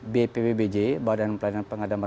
bppbj badan pelayanan pengadaman